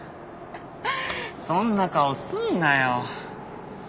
そんな顔すんなよ